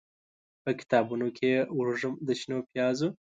به کتابونوکې یې، وږم د شنو پیازو